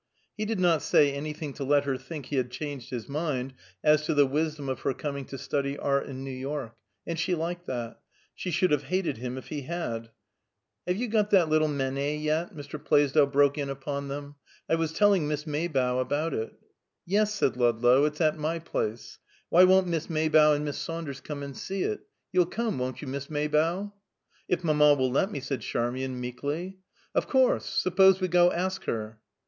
He did not say anything to let her think he had changed his mind as to the wisdom of her coming to study art in New York; and she liked that; she should have hated him if he had. "Have you got that little Manet, yet?" Mr. Plaisdell broke in upon them. "I was telling Miss Maybough about it." "Yes," said Ludlow. "It's at my place. Why won't Miss Maybough and Miss Saunders come and see it? You'll come, won't you, Miss Maybough?" "If mamma will let me," said Charmian, meekly. "Of course! Suppose we go ask her?"